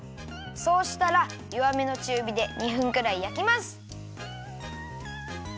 そうしたらよわめのちゅうびで２分くらいやきます。